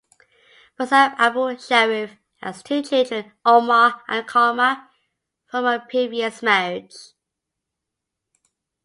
Bassam Abu Sharif has two children, Omar and Karma, from a previous marriage.